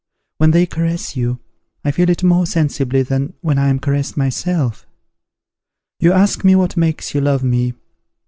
When they caress you, I feel it more sensibly than when I am caressed myself. You ask me what makes you love me.